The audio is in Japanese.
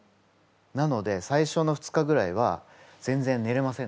なので最初の２日ぐらいは全然ねれませんでした。